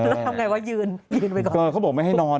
แล้วทำไงวะยืนยืนไปก่อนเออเขาบอกไม่ให้นอน